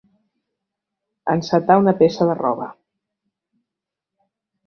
Encetar una peça de roba.